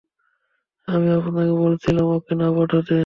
আমি আপনাকে বলেছিলাম ওকে না পাঠাতে।